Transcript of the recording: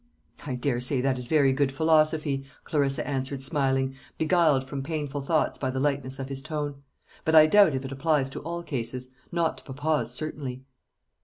"I daresay that is very good philosophy," Clarissa answered, smiling, beguiled from painful thoughts by the lightness of his tone; "but I doubt if it applies to all cases not to papa's, certainly."